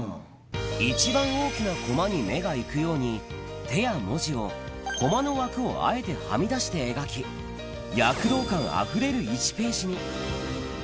一番大きなコマに目が行くように、手や文字をコマの枠をあえてはみ出して描き、躍動感あふれる１ページに。